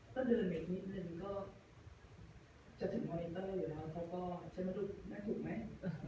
ถ้าเลือกหน่อยนิดนึงก็จะถึงมันตรงนั้นแล้วเขาก็จะไม่รู้ได้ถูกไหม